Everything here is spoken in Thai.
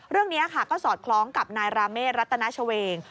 เรื่องนี้ค่ะก็สอดคล้องกับนายราเมฆรัตนาชเวง